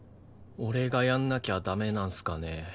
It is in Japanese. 俺がやんなきゃ駄目なんすかね？